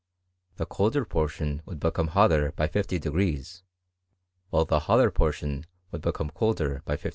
The colder portion would be come hotter by SO", while the hotter portion would become colder by 50®.